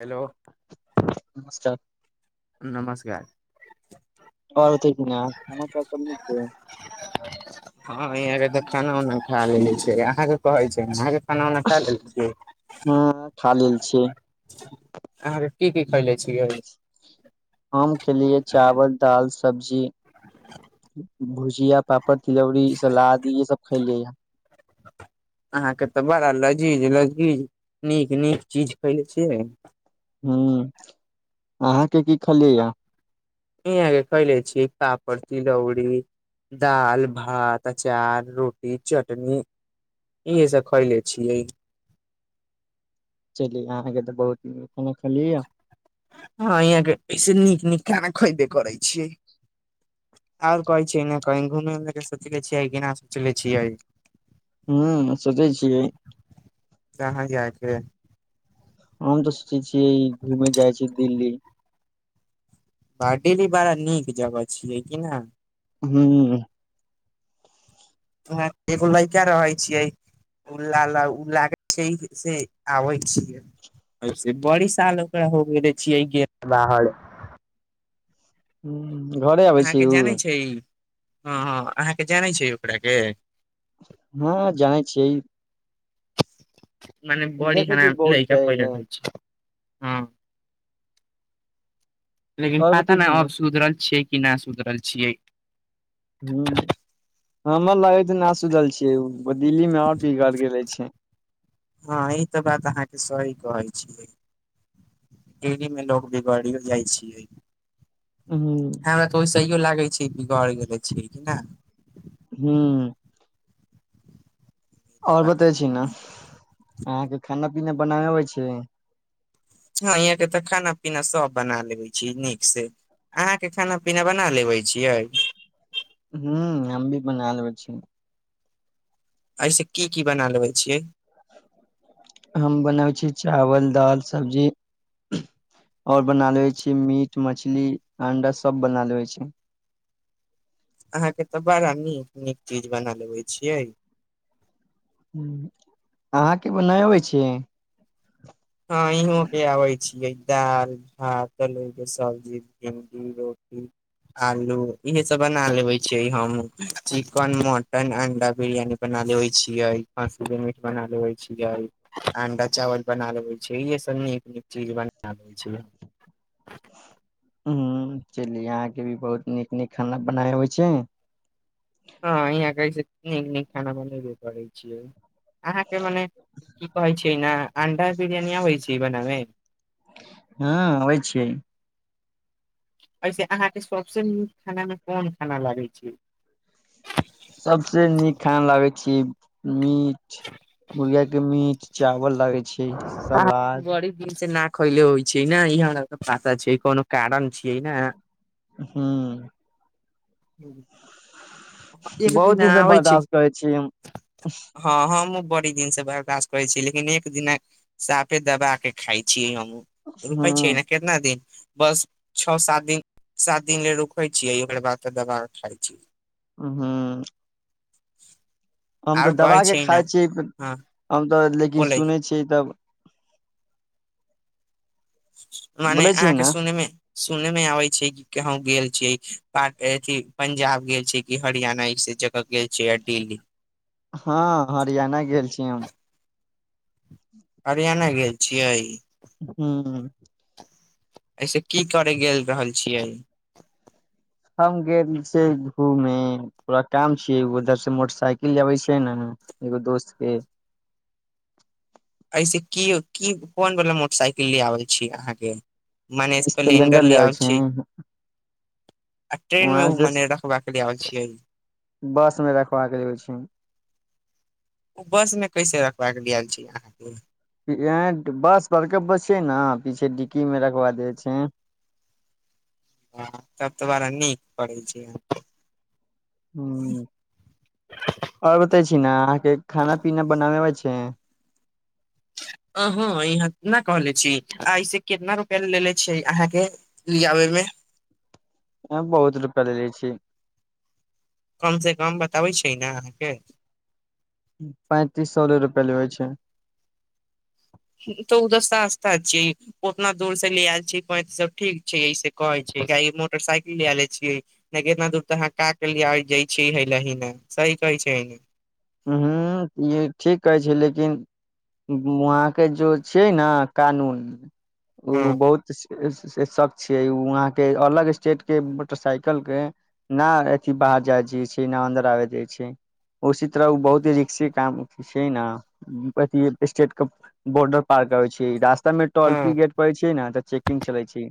hello नमस्कार नमस्कार आओर छै ने समस्या सब नै छै हँ इहाँ के तऽ खाना उना खा लेले छिये अहाँके कहै छै अहाँके खाना उना खा लेले छियै हँ खा लेल छियै अहाँ के की की खयले छियै हम खेलियै चावल दाल सब्जी भुजिया पापड़ तिलौरी सलाद इहे सब ख खेलै जाइय अहाँ के तऽ बड़ा लजीज लजीज नीक नीक चीज खयले छियै ह अहाँ के की खलियैया इहाँके खैले छी पापड़ तिलौरी दाल भात अचार रोटी चटनी इहे सब खैले छियै चली अहाँ के तऽ बहुत न खाना खलियै हए हँ यहाँ के ऐस नीक नीक खाना खैबे करै छीयै आ और कहै छ कह घूमे उमे के सोचले छियै केना सोचले छियै ह्म सोचै छियै कहाँ जाके हम तऽ सोचै छिय घुमे जाइ छी दिल्ली बारडेली बड़ा नीक जगह छियै क न हूँ लोहा एगो लड़का रहै छियै उ् ल उ ल छै से आबै छियै से बड़ी साल ओकरा होबे रह छियै गे बाहर ह घरे आबै छी अहाँके हि जानै छै हँ हँ आहाँके जानै छियै ओकराके हँ जानै छियै मानै बड़ी देखै छियै हरामी बहुत लइका पहिले रहै छै ह लेकिन आओर बतै पता छी नहि न अब सुधरल छै कि ना सुधरल छियै ह हमर लागैत न सुधरल छियै ओ दिल्ली मे आओर बिगड़ गेले छै हँ ई तऽ बात अहाँके सही कहै छियै री मे लोग भी गड़ियो जाइ छियै हुं ह हमरा तऽ ओसहियो लागै छै कि बिगर गेले छी कि नय हू ई तऽ आओर बात बतै छी अहाँके ने अहाँके खाना पीना बनाबै अबै छै हँ यहाँ के तऽ खाना पीना सब बना लेबे छी नीक से अहाँके खाना पीना बना लेबै छियै ह हमभि बना लेबैय छियै एहि स की की बना लेबै छियै हम बनबै छी चावल दालि सब्जी आओर बना ले छी मीट मछली अंडा सभ बना लेबै छी अहाँके तऽ बड़ा नीक नीक चीज बना लेबै छियै ह अहाँके बनाबे आबै छियै हँ इहों पर आबै छियै दालि भात तके सब्जी भिंडी रोटी [unintelligible] आलू इहे सब बना लेबे छी हम चिकन मटन अंडा बिरयानी बना लै छियै खसी के मीट बना लेे छियै अंडा चावल बना ले छै छै सब नीक नीक चीज बनबै छै ह चली यहाँके भी बहुत नीक नीक खाना बनाय आबै छै हँ अहाँ कहै नीक नीक खाना बनाबे करै छियै अहाँके मने की कहै छियै ने अण्डा बिरियानि आबै छै बनामे हँ अबै छियै एहिसे अहाँके सभसँ नीक खानामे कोन खाना लागै छै खान लागे छी मीट मुर्गिया के मीट चावल लागे छै आ सलाद बड़ी द से नाक खैले होइ छै ने इह हम पाता छै कोनो कारण छियै न हँ [unintelligible] एक बहुत दिन ही सब आबै छी बर्दाश्त करै छी हम हँ हम बड़ी दिन से बर्दाास्त करे छी लेकिन एक दिना साफे दबा के खााय छी हम रुकै छै हुं ने केतना दिन बस छ सात दिन सात दिन ले रुखै छियै ओकर बाद त दवा खााय छी हूँ हम तऽ आर दबा कहै के ने खाइ छियै हँ हम तऽ लेकिन बोलै सुनै छियै तब मने बोलै छियै अहाँके ने सुने मे सुने मे आबै छै कि कहूँगेल छियै पाक अथि पंजाब गेल छै कि हरियाणा ई जगह गेल छै आ दिल्ली हँ हरियाणा गेल छी हम हरियाणा गेल छियै हूँ एहिसँ की करय गेल रहल छियै हम गेल छियै घूमे पोरा काम छिय उधर से मोटरसाइकिल लाबै छियै न एगो दोस्त के ओसे की की कोन वला मोटरसाइकिल ले आबैछी अहाँके मने स्प्लेंडर ले आबै छियै आ ट्रेनमे ओ मने रखबाके लेल आयल छियै बसमे रखबाक होइ छै ओ बस मे कैसे रखबाका के दल छी अहाँके बस बड़क्प छै ने पीछे डिक्की मे रखवा दे छै [inaudible] हँ तब तो बारा नीक पढ़ै छै ह आओर बते छी ने अहाँके खाना पीना बनाबे आछी हुँ [inaudible] अ ह यहाँ न कहले छी एहिस केितना रूपआ लेलेे छै अहाँ के ले आबे मे [inaudible] ए बहुत रुपआ ल लै छी कमसँ कम बताबै छै ने अहाँके पैंतीस सोले रुपआ लेबै छै तऽ उधर सस्ता छियै उतना दूर से ले आयल छी पैतिस सौ सब ठीक छै ऐसे कहे छै मोटरसाइकिल ले ले छीयै कितना दूर तऽ अहाँ क के ल जय छी हे ल ने की कहि छै ह ई ठीक कहै छै लेकिन वहाँ के जो छिय ने कानून ओ हँ बहुत शक छी वहां के अलग स्टेट के मोटरसाइकल के न अथि ब जाज छै इना अन्दर आ जाै छै ओ बहुत ही रिक्से काम छै ने अथ स्टेट के बॉर्डर पार करै छै टोल हँ फ्री गेट परै छ ने तऽ चेकिंग चलै छै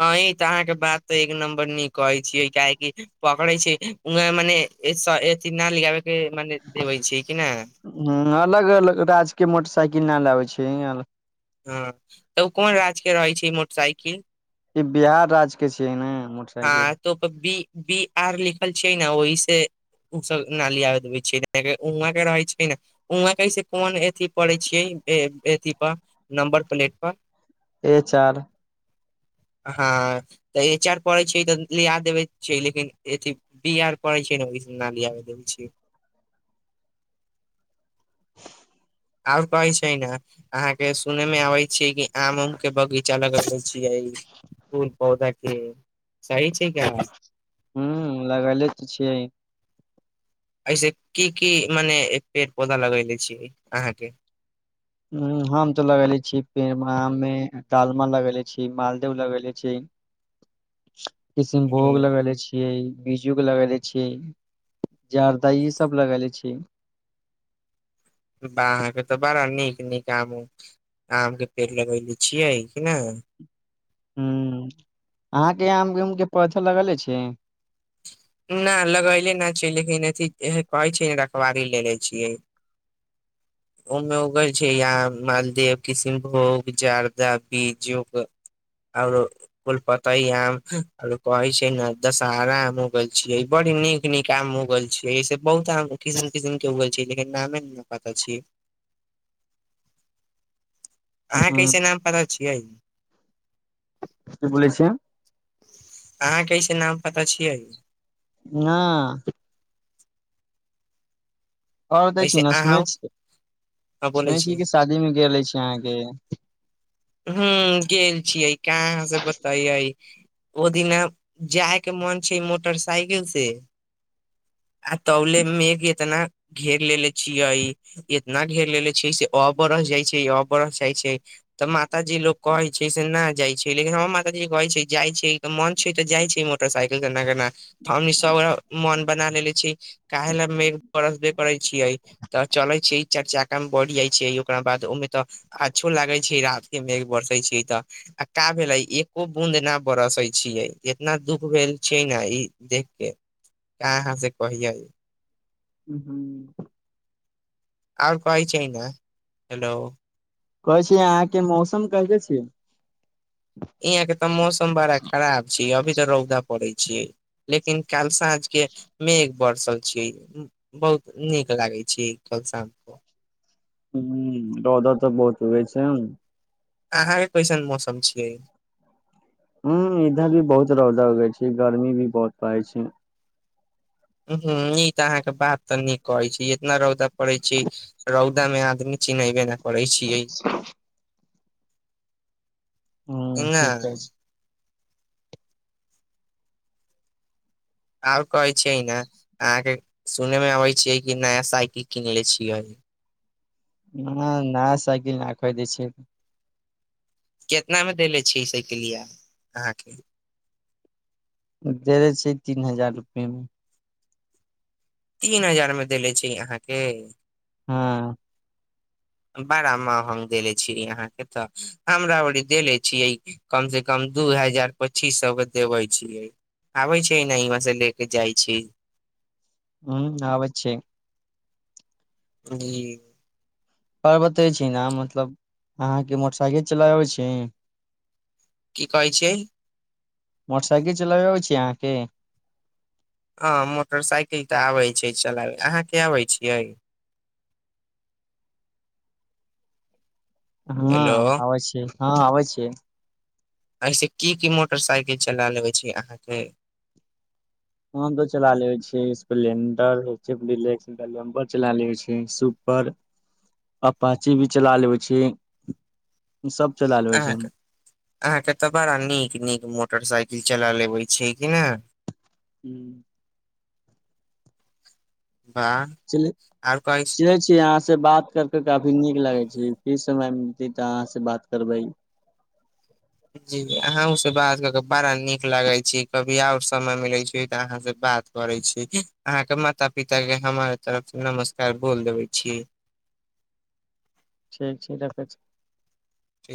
हँ ई तऽ अहाँके बात तऽ एक नम्बर नीक कहै छियै काहेकि पकड़े छै वह मने एत न लगाबे के मने देबे छी कि ने हूँ अलग अलग राज्य के मोटरसाइकिल न ल आाबै छै हँ तऽ ओ कोन राज्यके रहैत छै मोटरसाइकिल ई बिहार राज्य के छियै ने मोटरसाइकिल हँ त बी बी आर लिखल छै ने ओहि से ओ सब नाली आब छैआ के रहे छै ने उह कस कोन अथि पड़े छियै इ हे पर नम्बर प्लेट पर एच चार हँ तऽ ई एच आर पड़ै छै तऽ लिया देबै छै लेकिन अथ बी आर पड़ै छै ने ओहि स ना लिया देबै छै [inaudible] आर कहे छै ने अहाँ के सुने मे आबे छी कि आम उम के बगीचा लगे छियै फूल पौधा के सही छै का हू लगले तऽ छियै एहिऐसे की की मने पेड़ पौधा लगैले छियै अहाँके ह हम तो लगेले छीे मे डालमा लगेले छी मालदेव लगेले छी ह किसनभोग लगले छियै बीज्जू के लगेले छी जरदा ई सब लगेले छी [inaudible] बाहके तऽ बड़ा नीक नीक आम अय आम के पेड़ लगयले छियै कि नहि ह अहाँके आम उम के पौथो लगले छै न लगैले नहि छै लेकिन अथ कहै छै रखवारी ले ले छियै [inaudible] ओमे उगर छै यहाँ मालदेव कशनभोग जारदा बीजुग आओर फुलपतय आम आओर कहै छै ने दशहारा आम छियै बड़ नीक नीक आम होग गैल छियै इस बहुत आम किसम किसम के उ गेल छै लेकिन नामे ने पता छी [inaudible] अहाँ हूँ कैसे नाम पता छियै की बोलै छियै अहाँ कैसे नाम पता छियै हँ ओरतै छी ऐसे न सुनइ अहाँ छियै सुनै छियै कि शादीमे गेले अछि अहाँके ह्म गेल छीयै कहाँ से बतइयै ओ दिना जायके मन छै मोटरसाइकिल से [inaudible] आ तबले मेघ इतना घेर लेले छियै इतना घेर लेले छियै से अपर जाइ छै अबरस जाइ छै त माताजी लोक कहै छै से ना जाइ छै लेकिन हमर माताजी कहे छै जाइ छियै त मन छै त जाइ छि मोटरसाइकिल से ना गे ना हम इ सब मन बना लेेले छी काहे ल मेघ बरसबे करै छियै त चले छै चार चाका मे बढ़ जाइ छै ओकरा बाद ओमे त आछो लागै छियै रात के मेघ बरसै छियै त आ का भेलै एको बूंद न बरसै छियै इतना दुख भेल छै ने ई देख के का अहाँ से कहियै ह्म ह्म आओर कहइ छै न हेलो कलके छियै एयाँ के त मौसम बड़ा खराब छै अभी त रौदा पड़े छियै लेकिन काल सांझ के मेघ बरसल छियै बहुत नीक लागे छियै कल शाम क ह्म रौदा त बहुत उगइ छैन अहाँके कैसन मौसम छियै ह्म इधर भी बहुत रौदा उगै छि गर्मी भी बहुत पड़ै छै ई त अहाँके बात त नीक कहै छि इतना रौदा पड़े छि रौदा मे आदमी चिनचबे ना करै छियै ह्म ने ठीक अछि आउ कहै छियै न अहाँके सुने मे अबै छियै कि नया साइकिल किनेले छियै [inaudible] न नाया साइकिल ना खरिदै छि अभी केतनामे देेले छियै इ साइकिलिया अहाँके देे छै तीन हजार रुपए मे तीन हजार मे देले छै अहाँके हँ बड़ा महंग देले छी अहाँके त हमरा ओरी देले छियै कमसे कम दू हजार पचीस सौ के देबे छियै आबै छै ना यहवाँ से ले के जाइ छी ह्म आबै छै जी आ बतैछी ना मतलब अहाँके मोटसाइकिल चलाबै छी की कहै छियै मोटसाइकिल चलाबै अबइ छि अहाँके हँ मोटरसाइकिल त आबै छै चलाबै अहाँके आबै छियै [inaudible] हँ हेलो आबै छियै हँ आबै छियै अहिसे की की मोटरसाइकिल चला लेबै छियैै अहाँके हम त चला लेबय छिये स्पलेंडर एच एफ डिल्क्स गेलेम्बर चला लेबय छियै सु पर अपाची भी चला लेबै छी आहा के त बड़ा नीक नीक मोटरसाइकिल चला लेबै छै कि नहि हू वाह सिलै आर कहै छी छीय यहाँ से बात करके काफी नीक लागे छै कि समय मेत तऽ अहाँ से बात करबै जी अहु से बात क के बड़ा नीक लागे छी कभी आउ समय मिले छै त अहाँ से बात करे छी अहाँके माता पिता के हमारे तरफ से नमस्कार बोल देबे छी ठीक छै रखै छी